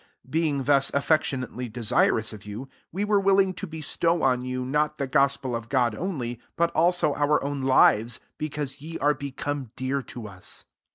8 Being thus affectionately desirous of you, we are willing to bestow on you, not the gospel of God only, but also our own lives, because ye are become dear to us.